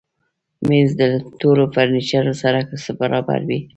مېز له ټولو فرنیچرو سره برابر وي.